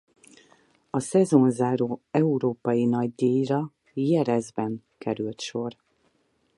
A szezonzáró európai nagydíjra Jerezben került sor.